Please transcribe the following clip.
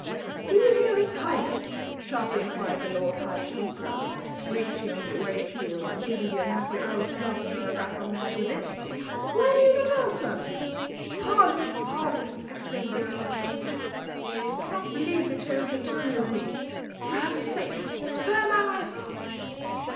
"Do you hear his highness?" sharply inquired the lord high chancellor, reaching over the great seal, and giving the unhappy Earl of Gloucester a rap on the head with it, "Why do you not answer?" "Pardon! Pardon!" exclaimed the earl, in a husky whisper. "Do not believe the tales they tell you of me. For Heaven's sake, spare my life!"